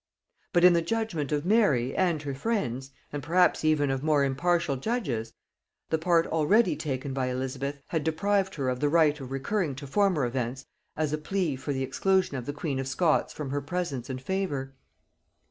But in the judgement of Mary and her friends, and perhaps even of more impartial judges, the part already taken by Elizabeth had deprived her of the right of recurring to former events as a plea for the exclusion of the queen of Scots from her presence and favor.